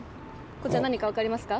こちらなにかわかりますか？